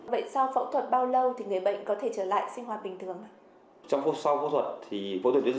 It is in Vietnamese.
vậy sau phẫu thuật bao lâu thì người bệnh có thể trở lại sinh hoạt bình thường ạ